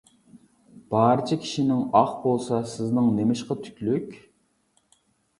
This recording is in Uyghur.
بارچە كىشىنىڭ ئاق بولسا، سىزنىڭ نېمىشقا تۈكلۈك؟ !